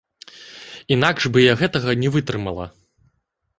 Інакш бы я гэтага не вытрымала.